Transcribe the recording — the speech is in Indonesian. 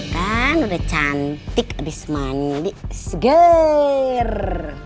kan udah cantik abis mandi seger